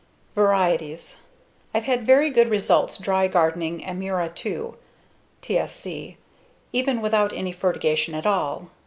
Varieties: I've had very good results dry gardening Amira II (TSC), even without any fertigation at all.